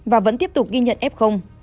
và vẫn tiếp tục ghi nhận f